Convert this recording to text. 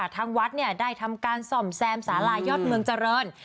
ทางวัดได้ทำการส่อมแซมสาลายอดเมืองเจริญ